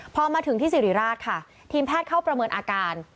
พอมาถึงที่สิริราชค่ะทีมแพทย์เข้าประเมินอาการ